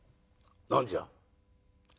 「何じゃ？」。